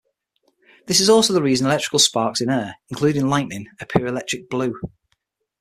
This is also the reason electrical sparks in air, including lightning, appear electric blue.